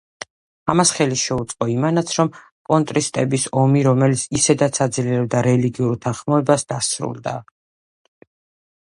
ამას ხელი შეუწყო იმანაც, რომ კონტრისტების ომი, რომელიც ისედაც აძლიერებდა რელიგიურ უთანხმოებას, დასრულდა.